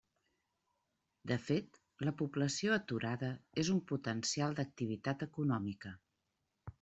De fet la població aturada és un potencial d'activitat econòmica.